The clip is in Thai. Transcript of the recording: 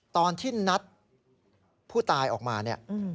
ตอนที่นัดผู้ตายออกมาเนี่ย